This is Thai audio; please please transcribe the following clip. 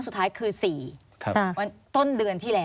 ควิทยาลัยเชียร์สวัสดีครับ